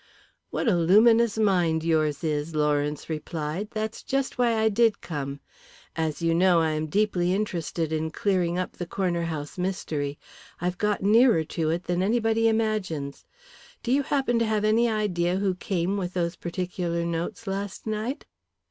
"What a luminous mind yours is," Lawrence replied. "That's just why I did come. As you know, I am deeply interested in clearing up the Corner House mystery. I've got nearer to it than anybody imagines. Do you happen to have any idea who came with those particular notes last night?"